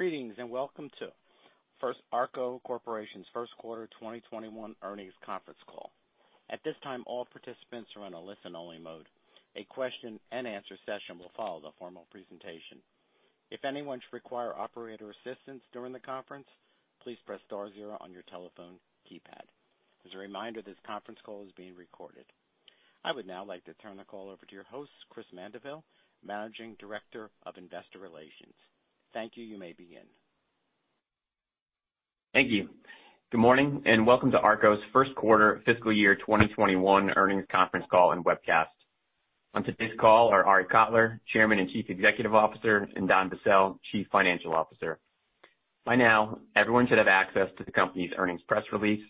Greetings, and welcome to ARKO Corporation's first quarter 2021 earnings conference call. At this time, all participants are in a listen-only mode. A question-and-answer session will follow the formal presentation. If anyone should require operator assistance during the conference, please press star zero on your telephone keypad. As a reminder, this conference call is being recorded. I would now like to turn the call over to your host, Chris Mandeville, Managing Director of Investor Relations. Thank you. You may begin. Thank you. Good morning, welcome to ARKO's first quarter fiscal year 2021 earnings conference call and webcast. On today's call are Arie Kotler, Chairman and Chief Executive Officer, Don Bassell, Chief Financial Officer. By now, everyone should have access to the company's earnings press release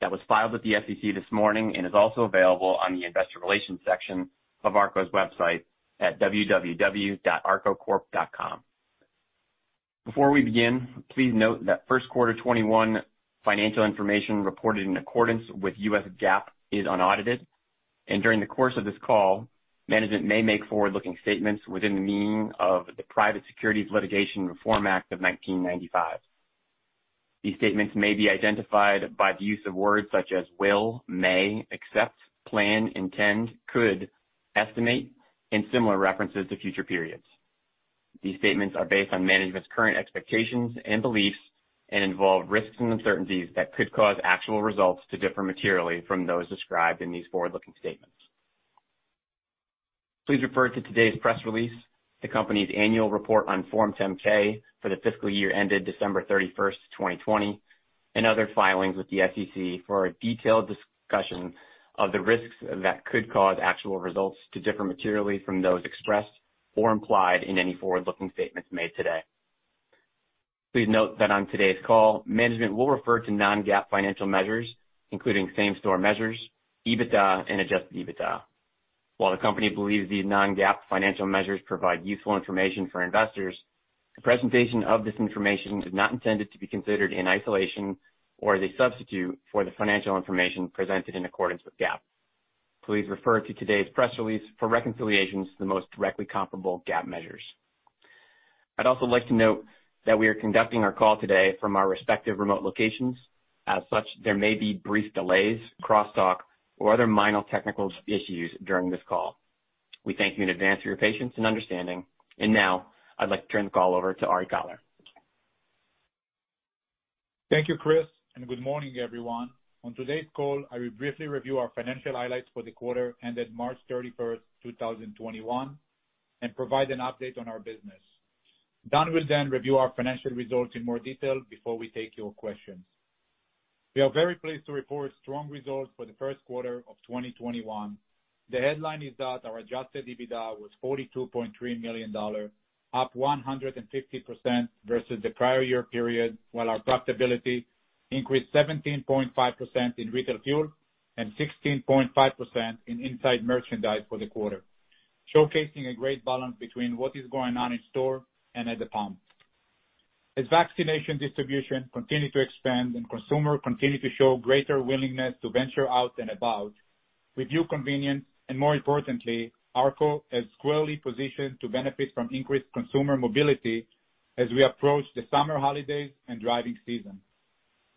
that was filed with the SEC this morning is also available on the investor relations section of ARKO's website at www.arkocorp.com. Before we begin, please note that first quarter 2021 financial information reported in accordance with U.S. GAAP is unaudited, during the course of this call, management may make forward-looking statements within the meaning of the Private Securities Litigation Reform Act of 1995. These statements may be identified by the use of words such as will, may, except, plan, intend, could, estimate, similar references to future periods. These statements are based on management's current expectations and beliefs and involve risks and uncertainties that could cause actual results to differ materially from those described in these forward-looking statements. Please refer to today's press release, the company's annual report on Form 10-K for the fiscal year ended December 31st, 2020, and other filings with the SEC for a detailed discussion of the risks that could cause actual results to differ materially from those expressed or implied in any forward-looking statements made today. Please note that on today's call, management will refer to non-GAAP financial measures, including same-store measures, EBITDA, and adjusted EBITDA. While the company believes these non-GAAP financial measures provide useful information for investors, the presentation of this information is not intended to be considered in isolation or as a substitute for the financial information presented in accordance with GAAP. Please refer to today's press release for reconciliations to the most directly comparable GAAP measures. I'd also like to note that we are conducting our call today from our respective remote locations. As such, there may be brief delays, crosstalk, or other minor technical issues during this call. We thank you in advance for your patience and understanding. Now, I'd like to turn the call over to Arie Kotler. Thank you, Chris. Good morning, everyone. On today's call, I will briefly review our financial highlights for the quarter ended March 31st, 2021, and provide an update on our business. Don will review our financial results in more detail before we take your questions. We are very pleased to report strong results for the first quarter of 2021. The headline is that our adjusted EBITDA was $42.3 million, up 150% versus the prior year period, while our profitability increased 17.5% in retail fuel and 16.5% in inside merchandise for the quarter, showcasing a great balance between what is going on in store and at the pump. As vaccination distribution continue to expand and consumer continue to show greater willingness to venture out and about, with due convenience, and more importantly, ARKO is squarely positioned to benefit from increased consumer mobility as we approach the summer holidays and driving season.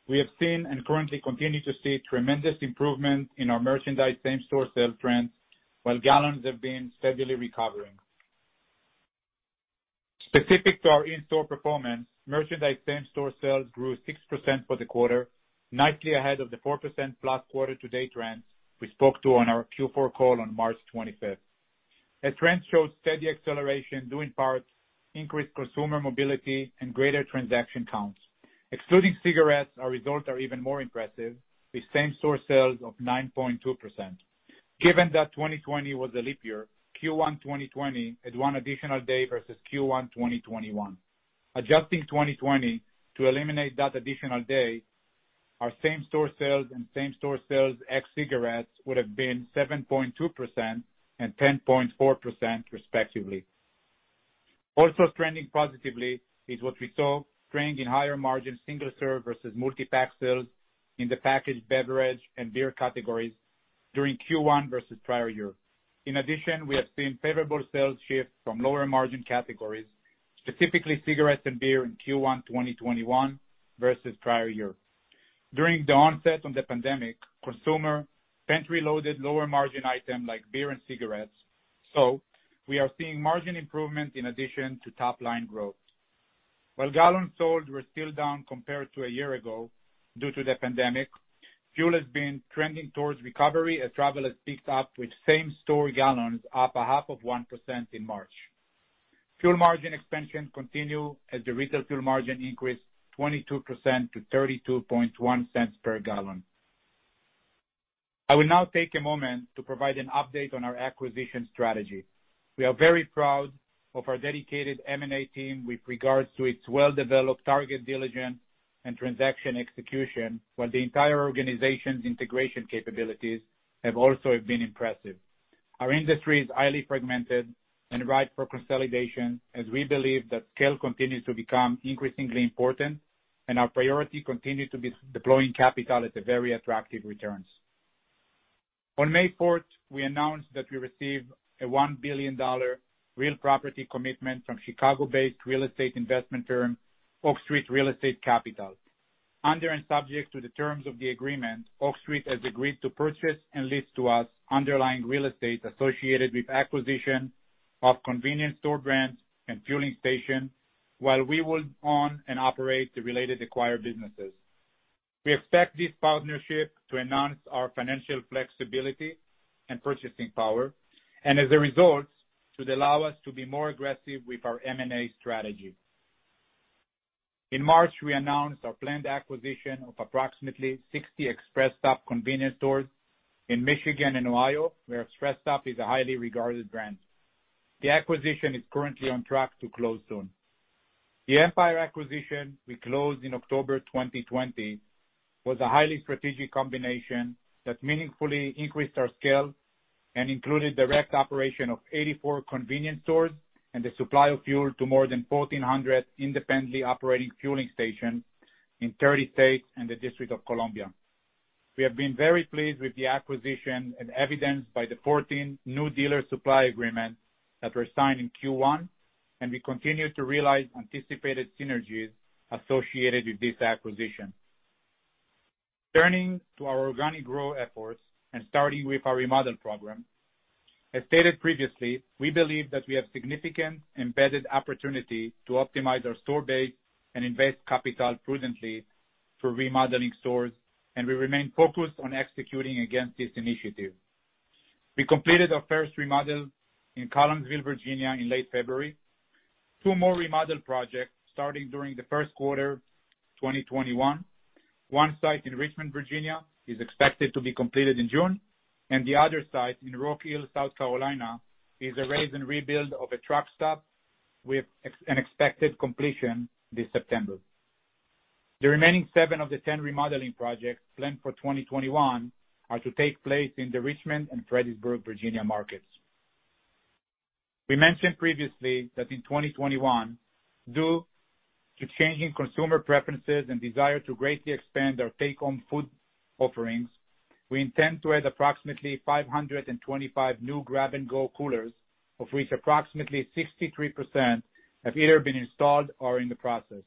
We have seen and currently continue to see tremendous improvement in our merchandise same-store sales trends, while gallons have been steadily recovering. Specific to our in-store performance, merchandise same-store sales grew 6% for the quarter, nicely ahead of the 4%+ quarter-to-date trends we spoke to on our Q4 call on March 25th. As trends showed steady acceleration due in part to increased consumer mobility and greater transaction counts. Excluding cigarettes, our results are even more impressive, with same-store sales of 9.2%. Given that 2020 was a leap year, Q1 2020 had one additional day versus Q1 2021. Adjusting 2020 to eliminate that additional day, our same-store sales and same-store sales ex cigarettes would've been 7.2% and 10.4%, respectively. Trending positively is what we saw trending higher margin single-serve versus multi-pack sales in the packaged beverage and beer categories during Q1 versus prior year. We have seen favorable sales shift from lower margin categories, specifically cigarettes and beer in Q1 2021 versus prior year. During the onset of the pandemic, consumer pantry loaded lower margin item like beer and cigarettes, we are seeing margin improvement in addition to top-line growth. Gallons sold were still down compared to a year ago due to the pandemic, fuel has been trending towards recovery as travel has picked up with same store gallons up a half of 1% in March. Fuel margin expansion continue as the retail fuel margin increased 22% to $0.321 per gallon. I will now take a moment to provide an update on our acquisition strategy. We are very proud of our dedicated M&A team with regards to its well-developed target diligence and transaction execution while the entire organization's integration capabilities have also been impressive. Our industry is highly fragmented and ripe for consolidation as we believe that scale continues to become increasingly important, and our priority continues to be deploying capital at very attractive returns. On May 4th, we announced that we received a $1 billion real property commitment from Chicago-based real estate investment firm, Oak Street Real Estate Capital. Under and subject to the terms of the agreement, Oak Street has agreed to purchase and lease to us underlying real estate associated with acquisition of convenience store brands and fueling stations, while we will own and operate the related acquired businesses. We expect this partnership to enhance our financial flexibility and purchasing power, and as a result, should allow us to be more aggressive with our M&A strategy. In March, we announced our planned acquisition of approximately 60 ExpressStop convenience stores in Michigan and Ohio, where ExpressStop is a highly regarded brand. The acquisition is currently on track to close soon. The Empire acquisition we closed in October 2020 was a highly strategic combination that meaningfully increased our scale and included direct operation of 84 convenience stores and the supply of fuel to more than 1,400 independently operating fueling stations in 30 states and the District of Columbia. We have been very pleased with the acquisition as evidenced by the 14 new dealer supply agreements that were signed in Q1, and we continue to realize anticipated synergies associated with this acquisition. Turning to our organic growth efforts, starting with our remodel program. As stated previously, we believe that we have significant embedded opportunity to optimize our store base and invest capital prudently through remodeling stores, and we remain focused on executing against this initiative. We completed our first remodel in Collinsville, Virginia, in late February. Two more remodel projects starting during the first quarter 2021. One site in Richmond, Virginia, is expected to be completed in June, and the other site in Rock Hill, South Carolina, is a raze and rebuild of a truck stop with an expected completion this September. The remaining seven of the 10 remodeling projects planned for 2021 are to take place in the Richmond and Fredericksburg, Virginia, markets. We mentioned previously that in 2021, due to changing consumer preferences and desire to greatly expand our take-home food offerings, we intend to add approximately 525 new grab-and-go coolers, of which approximately 63% have either been installed or are in the process.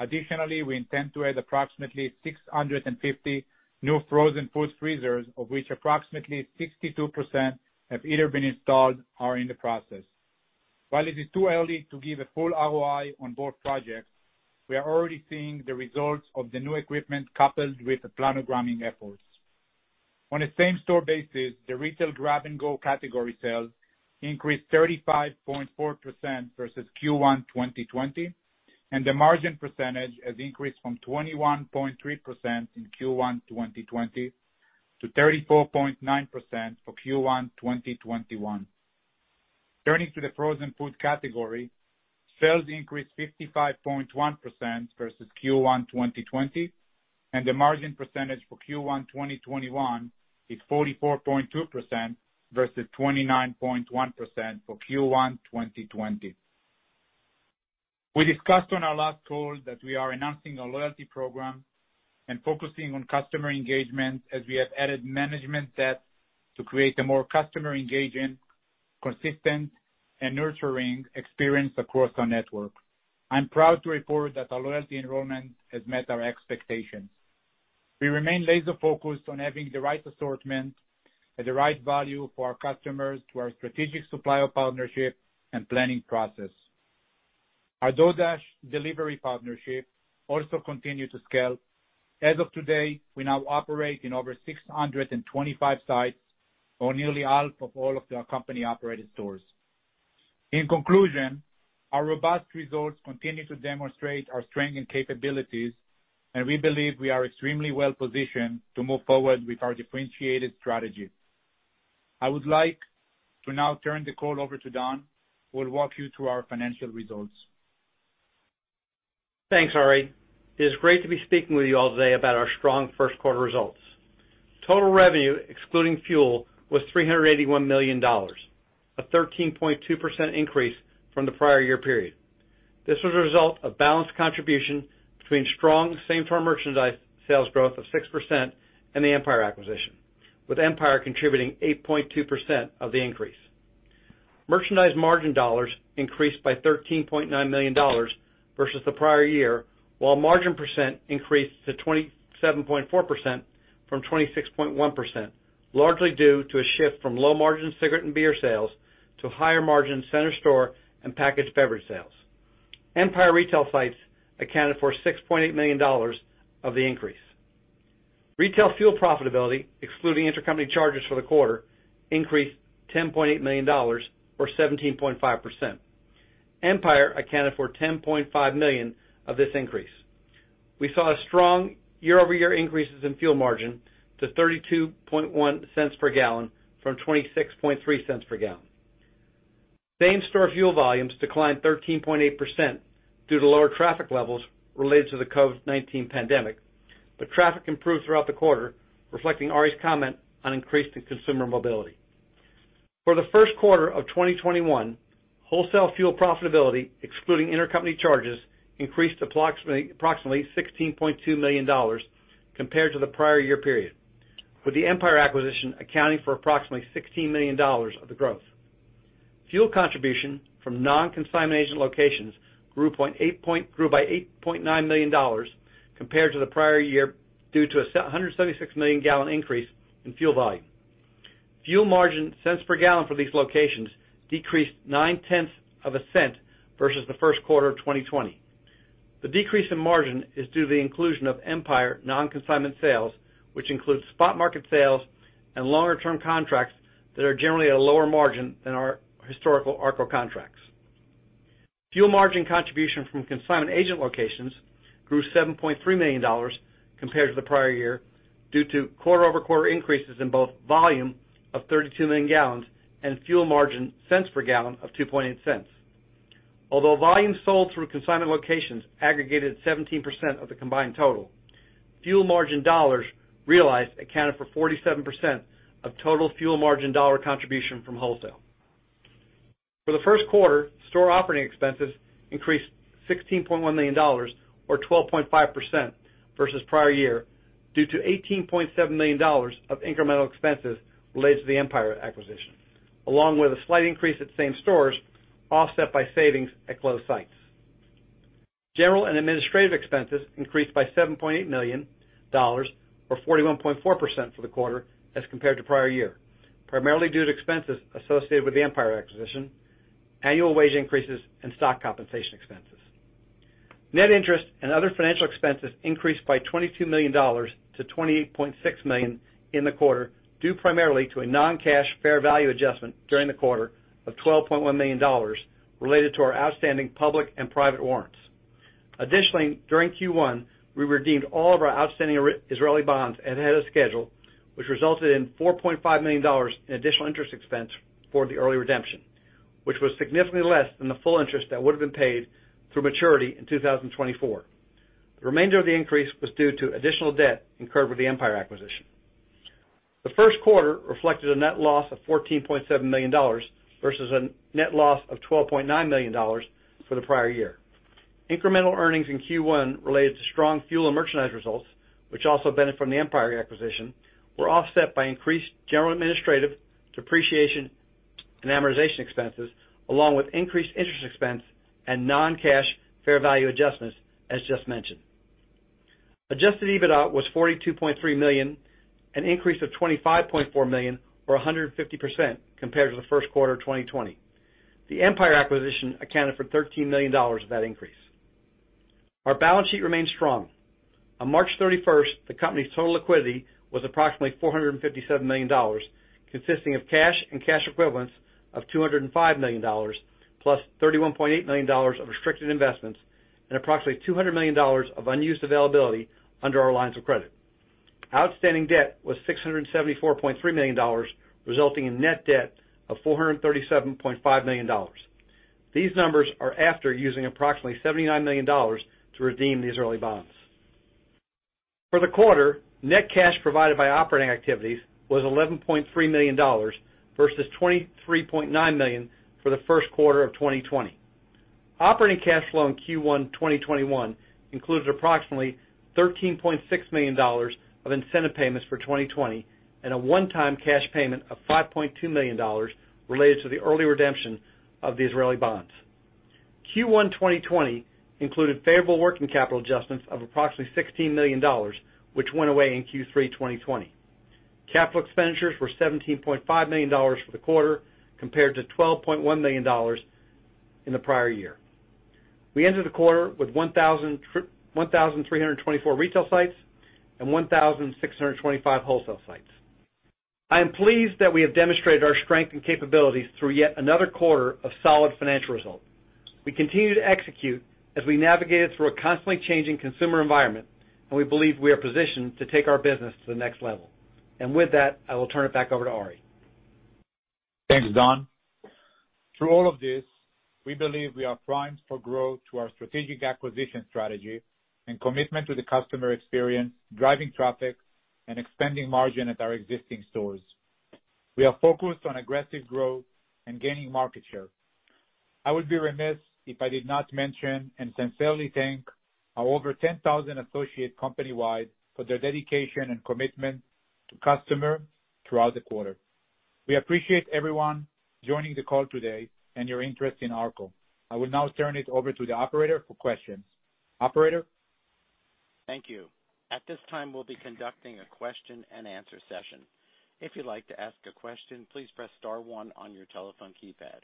We intend to add approximately 650 new frozen food freezers, of which approximately 62% have either been installed or are in the process. While it is too early to give a full ROI on both projects, we are already seeing the results of the new equipment coupled with the planogramming efforts. On a same-store basis, the retail grab-and-go category sales increased 35.4% versus Q1 2020, and the margin percentage has increased from 21.3% in Q1 2020 to 34.9% for Q1 2021. Turning to the frozen food category, sales increased 55.1% versus Q1 2020, and the margin percentage for Q1 2021 is 44.2% versus 29.1% for Q1 2020. We discussed on our last call that we are enhancing our loyalty program and focusing on customer engagement as we have added management depth to create a more customer engaging, consistent, and nurturing experience across our network. I'm proud to report that our loyalty enrollment has met our expectations. We remain laser focused on having the right assortment at the right value for our customers through our strategic supplier partnership and planning process. Our DoorDash delivery partnership also continue to scale. As of today, we now operate in over 625 sites or nearly half of all of our company-operated stores. In conclusion, our robust results continue to demonstrate our strength and capabilities, and we believe we are extremely well-positioned to move forward with our differentiated strategy. I would like to now turn the call over to Don, who will walk you through our financial results. Thanks, Arie. It is great to be speaking with you all today about our strong first quarter results. Total revenue, excluding fuel, was $381 million, a 13.2% increase from the prior year period. This was a result of balanced contribution between strong same store merchandise sales growth of 6% and the Empire acquisition, with Empire contributing 8.2% of the increase. Merchandise margin dollars increased by $13.9 million versus the prior year, while margin percent increased to 27.4% from 26.1%, largely due to a shift from low margin cigarette and beer sales to higher margin center store and packaged beverage sales. Empire Retail sites accounted for $6.8 million of the increase. Retail fuel profitability, excluding intercompany charges for the quarter, increased $10.8 million or 17.5%. Empire accounted for $10.5 million of this increase. We saw strong year-over-year increases in fuel margin to $0.321 per gallon from $0.263 per gallon. Same store fuel volumes declined 13.8% due to lower traffic levels related to the COVID-19 pandemic. The traffic improved throughout the quarter, reflecting Arie's comment on increased consumer mobility. For the first quarter of 2021, wholesale fuel profitability, excluding intercompany charges, increased approximately $16.2 million compared to the prior year period, with the Empire acquisition accounting for approximately $16 million of the growth. Fuel contribution from non-consignment agent locations grew by $8.9 million compared to the prior year due to a 176 million gallon increase in fuel volume. Fuel margin cents per gallon for these locations decreased $0.009 versus the first quarter of 2020. The decrease in margin is due to the inclusion of Empire non-consignment sales, which includes spot market sales and longer-term contracts that are generally at a lower margin than our historical ARKO contracts. Fuel margin contribution from consignment agent locations grew $7.3 million compared to the prior year due to quarter-over-quarter increases in both volume of 32 million gallons and fuel margin cents per gallon of $0.028. Although volumes sold through consignment locations aggregated 17% of the combined total, fuel margin dollars realized accounted for 47% of total fuel margin dollar contribution from wholesale. For the first quarter, store operating expenses increased $16.1 million or 12.5% versus prior year due to $18.7 million of incremental expenses related to the Empire acquisition, along with a slight increase at same stores, offset by savings at closed sites. General and administrative expenses increased by $7.8 million or 41.4% for the quarter as compared to prior year, primarily due to expenses associated with the Empire acquisition, annual wage increases, and stock compensation expenses. Net interest and other financial expenses increased by $22 million to $28.6 million in the quarter, due primarily to a non-cash fair value adjustment during the quarter of $12.1 million related to our outstanding public and private warrants. Additionally, during Q1, we redeemed all of our outstanding Israeli bonds ahead of schedule, which resulted in $4.5 million in additional interest expense for the early redemption, which was significantly less than the full interest that would've been paid through maturity in 2024. The remainder of the increase was due to additional debt incurred with the Empire acquisition. The first quarter reflected a net loss of $14.7 million versus a net loss of $12.9 million for the prior year. Incremental earnings in Q1 related to strong fuel and merchandise results, which also benefit from the Empire acquisition, were offset by increased general administrative depreciation and amortization expenses, along with increased interest expense and non-cash fair value adjustments, as just mentioned. Adjusted EBITDA was $42.3 million, an increase of $25.4 million or 150% compared to the first quarter of 2020. The Empire acquisition accounted for $13 million of that increase. Our balance sheet remains strong. On March 31st, the company's total liquidity was approximately $457 million, consisting of cash and cash equivalents of $205 million, plus $31.8 million of restricted investments and approximately $200 million of unused availability under our lines of credit. Outstanding debt was $674.3 million, resulting in net debt of $437.5 million. These numbers are after using approximately $79 million to redeem the Israeli bonds. For the quarter, net cash provided by operating activities was $11.3 million, versus $23.9 million for the first quarter of 2020. Operating cash flow in Q1 2021 includes approximately $13.6 million of incentive payments for 2020 and a one-time cash payment of $5.2 million related to the early redemption of the Israeli bonds. Q1 2020 included favorable working capital adjustments of approximately $16 million, which went away in Q3 2020. Capital expenditures were $17.5 million for the quarter, compared to $12.1 million in the prior year. We entered the quarter with 1,324 retail sites and 1,625 wholesale sites. I am pleased that we have demonstrated our strength and capabilities through yet another quarter of solid financial results. We continue to execute as we navigate through a constantly changing consumer environment, and we believe we are positioned to take our business to the next level. With that, I will turn it back over to Arie. Thanks, Don. Through all of this, we believe we are primed for growth through our strategic acquisition strategy and commitment to the customer experience, driving traffic, and expanding margin at our existing stores. We are focused on aggressive growth and gaining market share. I would be remiss if I did not mention and sincerely thank our over 10,000 associates company-wide for their dedication and commitment to customers throughout the quarter. We appreciate everyone joining the call today and your interest in ARKO. I will now turn it over to the operator for questions. Operator? Thank you. At this time, we'll be conducting a question and answer session. If you'd like to ask a question, please press star one on your telephone keypad.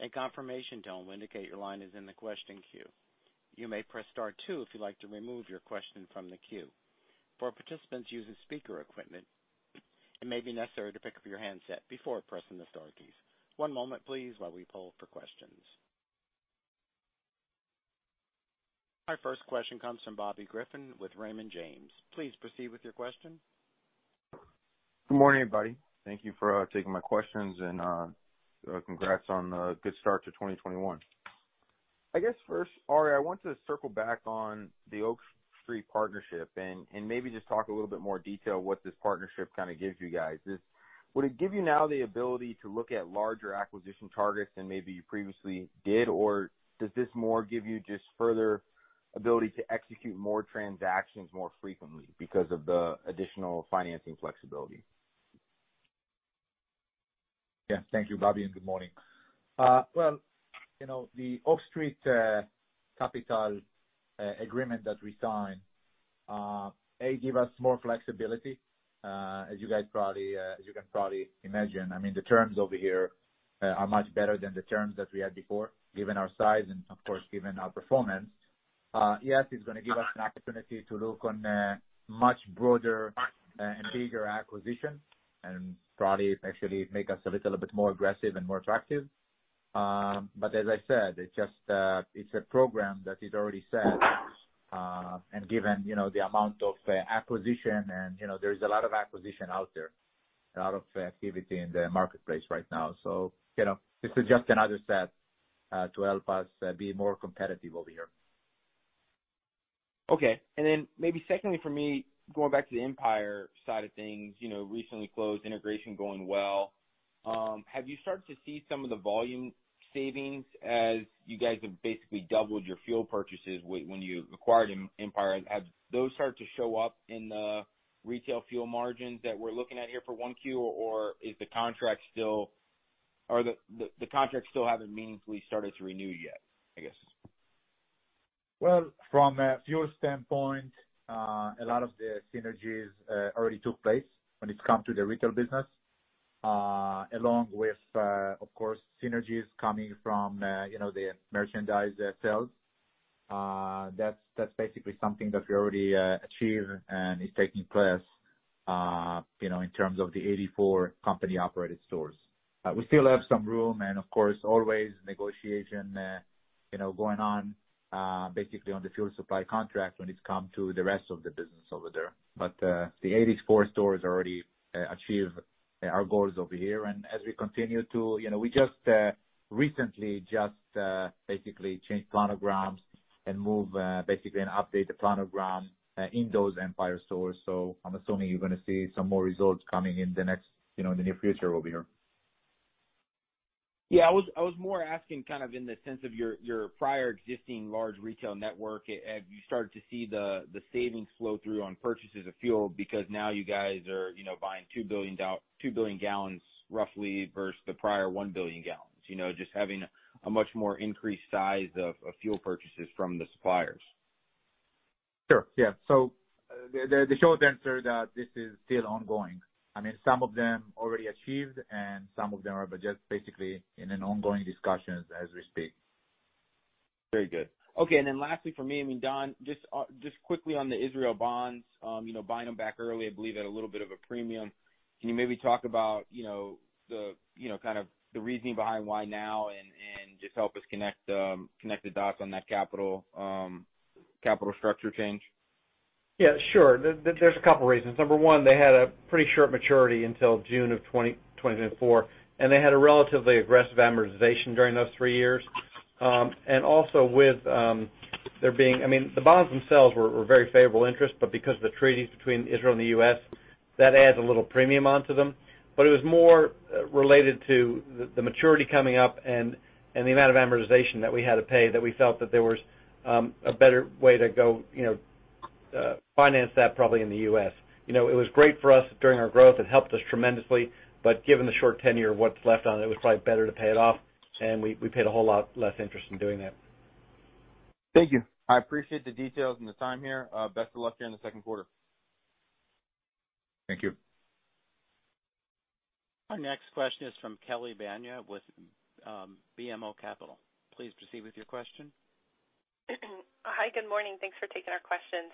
A confirmation tone will indicate your line is in the question queue. You may press star two if you'd like to remove your question from the queue. For participants using speaker equipment, it may be necessary to pick up your handset before pressing the star keys. One moment, please, while we poll for questions. Our first question comes from Bobby Griffin with Raymond James. Please proceed with your question. Good morning, everybody. Thank you for taking my questions, and congrats on a good start to 2021. I guess first, Arie, I want to circle back on the Oak Street partnership and maybe just talk a little bit more detail what this partnership gives you guys. Would it give you now the ability to look at larger acquisition targets than maybe you previously did, or does this more give you just further ability to execute more transactions more frequently because of the additional financing flexibility? Thank you, Bobby, and good morning. The Oak Street capital agreement that we signed give us more flexibility, as you guys can probably imagine. The terms over here are much better than the terms that we had before, given our size and, of course, given our performance. It's going to give us an opportunity to look on a much broader and bigger acquisition and probably actually make us a little bit more aggressive and more attractive. As I said, it's a program that is already set. Given the amount of acquisition and there is a lot of acquisition out there, a lot of activity in the marketplace right now. This is just another step to help us be more competitive over here. Okay. Maybe secondly for me, going back to the Empire side of things, recently closed, integration going well. Have you started to see some of the volume savings as you guys have basically doubled your fuel purchases when you acquired Empire? Have those started to show up in the retail fuel margins that we're looking at here for 1Q, or the contracts still haven't meaningfully started to renew yet, I guess? Well, from a fuel standpoint, a lot of the synergies already took place when it come to the retail business, along with, of course, synergies coming from the merchandise sales. That's basically something that we already achieved and is taking place, in terms of the 84 company-operated stores. We still have some room and of course, always negotiation going on, basically on the fuel supply contract when it come to the rest of the business over there. The 84 stores already achieve our goals over here. As we continue to We just recently basically changed planograms and move, basically, and update the planogram in those Empire stores. I'm assuming you're going to see some more results coming in the near future over here. Yeah. I was more asking in the sense of your prior existing large retail network. Have you started to see the savings flow through on purchases of fuel because now you guys are buying 2 billion gallons roughly versus the prior 1 billion gallons, just having a much more increased size of fuel purchases from the suppliers? Sure. Yeah. The short answer that this is still ongoing. Some of them already achieved and some of them are just basically in an ongoing discussion as we speak. Very good. Okay. Lastly for me, Don, just quickly on the Israeli bonds, buying them back early, I believe at a little bit of a premium. Can you maybe talk about the reasoning behind why now and just help us connect the dots on that capital structure change? Yeah, sure. There's a couple reasons. Number one, they had a pretty short maturity until June of 2024, and they had a relatively aggressive amortization during those three years. The bonds themselves were very favorable interest, because of the treaties between Israel and the U.S., that adds a little premium onto them. It was more related to the maturity coming up and the amount of amortization that we had to pay that we felt that there was a better way to go finance that probably in the U.S. It was great for us during our growth. It helped us tremendously. Given the short tenure of what's left on it was probably better to pay it off, and we paid a whole lot less interest in doing that. Thank you. I appreciate the details and the time here. Best of luck here in the second quarter. Thank you. Our next question is from Kelly Bania with BMO Capital. Please proceed with your question. Hi, good morning. Thanks for taking our questions.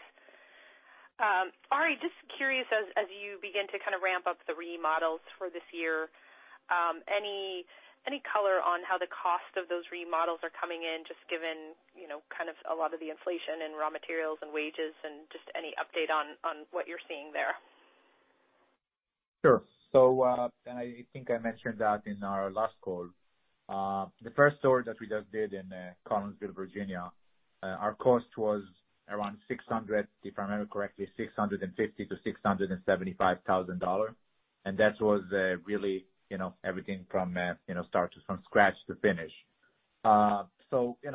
Arie, just curious, as you begin to ramp up the remodels for this year, any color on how the cost of those remodels are coming in, just given a lot of the inflation in raw materials and wages and just any update on what you're seeing there? Sure. I think I mentioned that in our last call. The first store that we just did in Collinsville, Virginia, our cost was around $600,000, if I remember correctly, $650,000-$675,000. That was really everything from scratch to finish.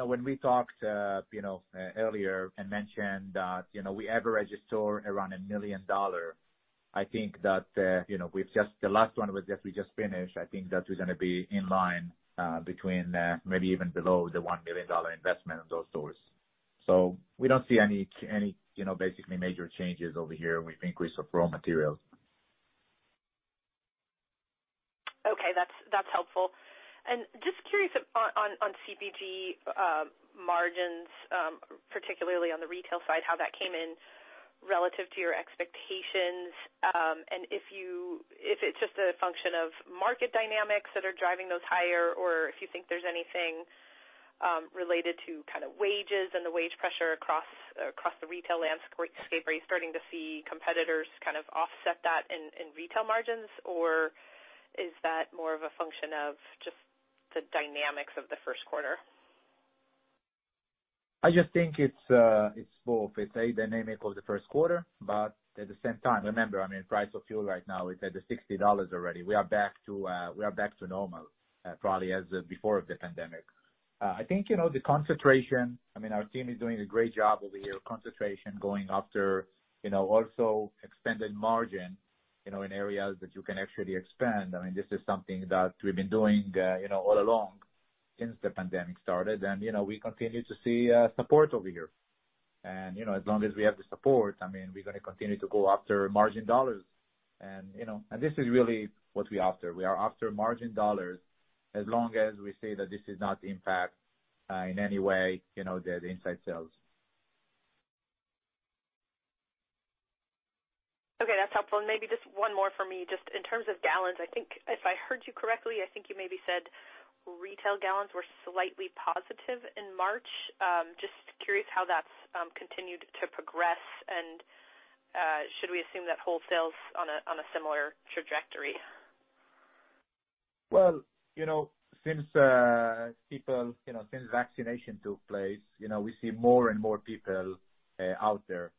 When we talked earlier and mentioned that we average a store around $1 million. I think that the last one we just finished, I think that we're going to be in line between maybe even below the $1 million investment in those stores. We don't see any basically major changes over here with increase of raw materials. Okay, that's helpful. Just curious on CPG margins, particularly on the retail side, how that came in relative to your expectations. If it's just a function of market dynamics that are driving those higher, or if you think there's anything related to wages and the wage pressure across the retail landscape. Are you starting to see competitors offset that in retail margins? Is that more of a function of just the dynamics of the first quarter? I just think it's both. It's A, dynamic of the first quarter. At the same time, remember, price of fuel right now is at the $60 already. We are back to normal, probably as before the pandemic. I think the concentration, our team is doing a great job over here, concentration going after also extended margin, in areas that you can actually expand. This is something that we've been doing all along since the pandemic started. We continue to see support over here. As long as we have the support, we're going to continue to go after margin dollars. This is really what we're after. We are after margin dollars as long as we see that this does not impact in any way, the inside sales. Okay, that's helpful. Maybe just one more from me, just in terms of gallons, I think if I heard you correctly, I think you maybe said retail gallons were slightly positive in March. Just curious how that's continued to progress and should we assume that wholesale is on a similar trajectory? Well, since vaccination took place, we see more and more people out there.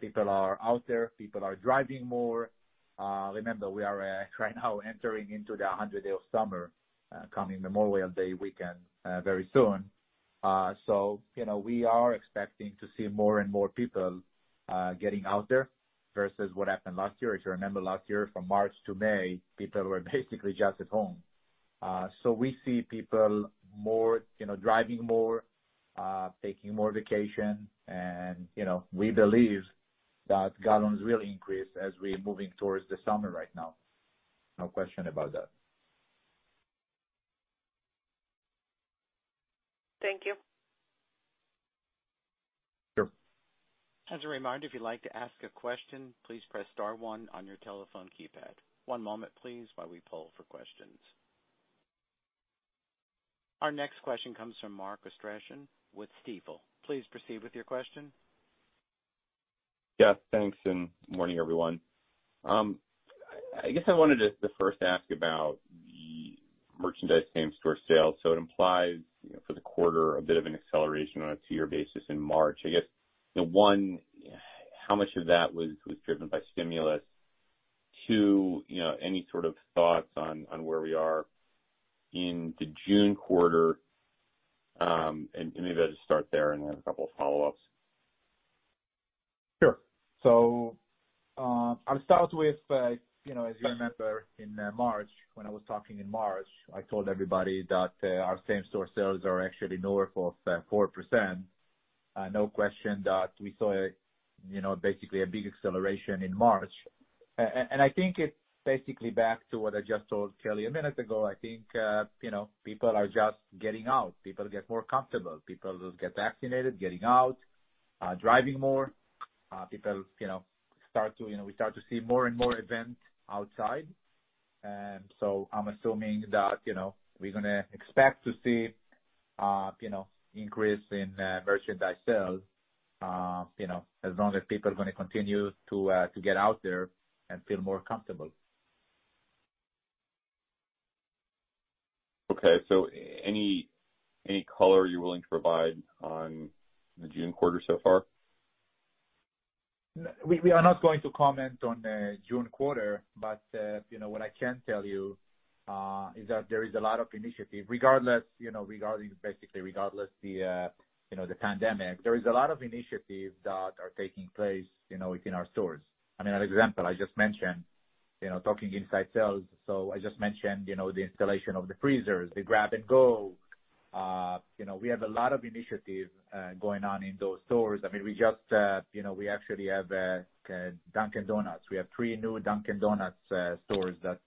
People are out there, people are driving more. Remember, we are right now entering into the 100 day of summer, coming Memorial Day weekend very soon. We are expecting to see more and more people getting out there versus what happened last year. If you remember last year from March to May, people were basically just at home. We see people driving more, taking more vacation, and we believe that gallons will increase as we are moving towards the summer right now. No question about that. Thank you. Sure. As a reminder, if you'd like to ask a question, please press star one on your telephone keypad. One moment, please, while we poll for questions. Our next question comes from Mark Astrachan with Stifel. Please proceed with your question. Yeah, thanks, and morning, everyone. I guess I wanted to first ask about the merchandise same-store sales. It implies, for the quarter, a bit of an acceleration on a two-year basis in March. I guess, one, how much of that was driven by stimulus? Two, any sort of thoughts on where we are in the June quarter? Maybe I'll just start there and then a couple of follow-ups. Sure. I'll start with, as you remember in March, when I was talking in March, I told everybody that our same-store sales are actually north of 4%. No question that we saw basically a big acceleration in March. I think it's basically back to what I just told Kelly a minute ago. I think people are just getting out. People get more comfortable. People will get vaccinated, getting out, driving more. We start to see more and more events outside. I'm assuming that we're going to expect to see increase in merchandise sales, as long as people are going to continue to get out there and feel more comfortable. Okay. Any color you're willing to provide on the June quarter so far? We are not going to comment on the June quarter. What I can tell you is that there is a lot of initiative, basically regardless the pandemic. There is a lot of initiatives that are taking place within our stores. An example, I just mentioned, talking inside sales. I just mentioned the installation of the freezers, the grab and go. We have a lot of initiatives going on in those stores. We actually have Dunkin' Donuts. We have three new Dunkin' Donuts stores that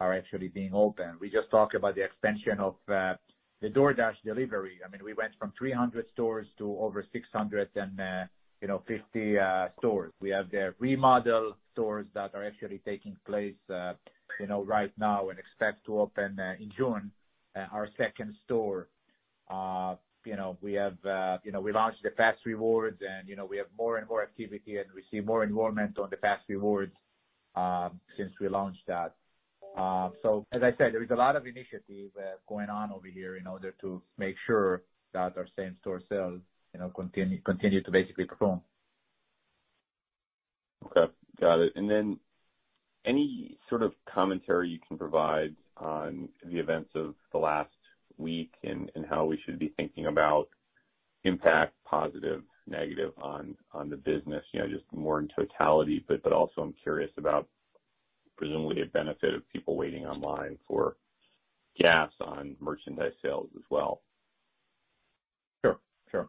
are actually being opened. We just talked about the expansion of the DoorDash delivery. We went from 300 stores to over 650 stores. We have the remodel stores that are actually taking place right now and expect to open in June our second store. We launched the fas REWARDS, and we have more and more activity, and we see more enrollment on the fas REWARDS since we launched that. As I said, there is a lot of initiative going on over here in order to make sure that our same-store sales continue to basically perform. Okay. Got it. Any sort of commentary you can provide on the events of the last week and how we should be thinking about impact, positive, negative on the business, just more in totality, but also I'm curious about presumably a benefit of people waiting in line for gas on merchandise sales as well. Sure.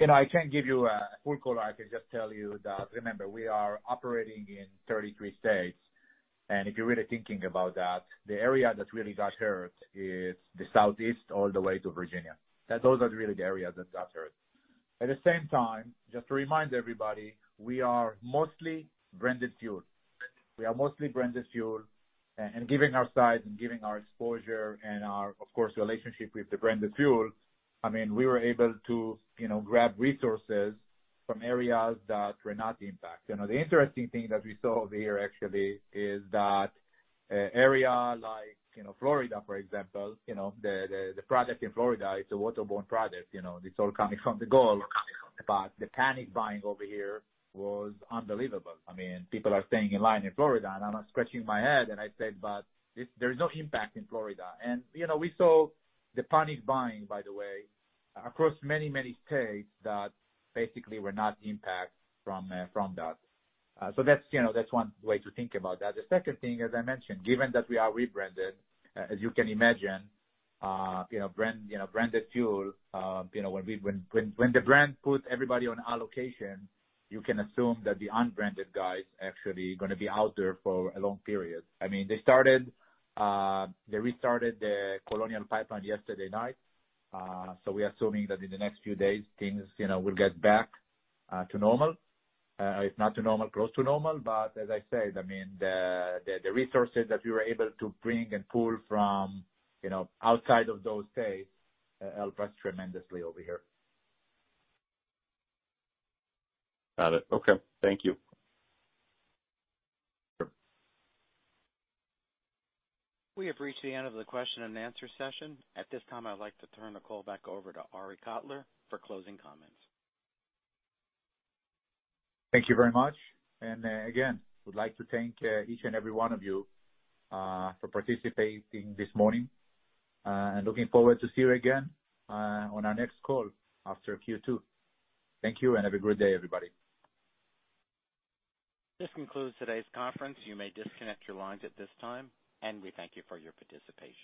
I can't give you a full color. I can just tell you that, remember, we are operating in 33 states, and if you're really thinking about that, the area that really got hurt is the Southeast all the way to Virginia. Those are really the areas that got hurt. At the same time, just to remind everybody, we are mostly branded fuel. Given our size and given our exposure and our, of course, relationship with the branded fuel, we were able to grab resources from areas that were not impacted. The interesting thing that we saw over here actually is that area like Florida, for example, the project in Florida, it's a waterborne project. It's all coming from the Gulf, but the panic buying over here was unbelievable. People are staying in line in Florida, I'm scratching my head and I said, "There's no impact in Florida." We saw the panic buying, by the way, across many states that basically were not impacted from that. That's one way to think about that. The second thing, as I mentioned, given that we have rebranded, as you can imagine, branded fuel, when the brand puts everybody on allocation, you can assume that the unbranded guys actually are going to be out there for a long period. They restarted the Colonial Pipeline yesterday night. We are assuming that in the next few days, things will get back to normal. If not to normal, close to normal. As I said, the resources that we were able to bring and pull from outside of those states helped us tremendously over here. Got it. Okay. Thank you. We have reached the end of the question and answer session. At this time, I would like to turn the call back over to Arie Kotler for closing comments. Thank you very much. Again, would like to thank each and every one of you for participating this morning, and looking forward to see you again on our next call after Q2. Thank you and have a great day, everybody. This concludes today's conference. You may disconnect your lines at this time, and we thank you for your participation.